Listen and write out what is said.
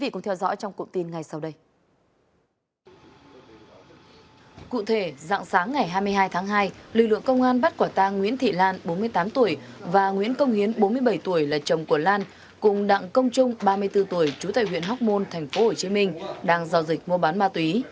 cụ thể dạng sáng ngày hai mươi hai tháng hai lực lượng công an bắt quả tang nguyễn thị lan bốn mươi tám tuổi và nguyễn công hiến bốn mươi bảy tuổi là chồng của lan cùng đặng công trung ba mươi bốn tuổi trú tại huyện hóc môn tp hcm đang giao dịch mua bán ma túy